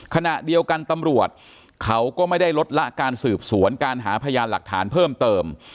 ขณะเดียวกันตำรวจเขาก็ไม่ได้ลดละการสืบสวนการหาพยานหลักฐานเพิ่มเติม